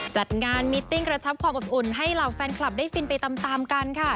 จัดงานมิตติ้งกระชับความอบอุ่นให้เหล่าแฟนคลับได้ฟินไปตามกันค่ะ